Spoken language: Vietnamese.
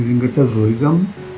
thì người ta gửi gắm